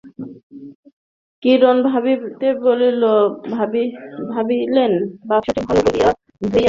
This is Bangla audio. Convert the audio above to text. কিরণ ভাবিলেন, বাক্সটি ভালো করিয়া গুছাইয়া তাহার মধ্যে সকল জিনিস ধরাইতে পারিবেন।